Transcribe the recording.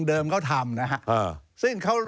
นี่นี่